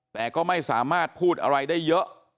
แต่ก็ไม่สามารถพูดอะไรได้เยอะ